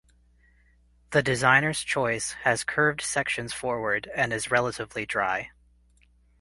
The Designers Choice has curved sections forward and is relatively dry.